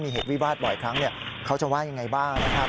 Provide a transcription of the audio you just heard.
มีเหตุวิวาสบ่อยครั้งเขาจะว่ายังไงบ้างนะครับ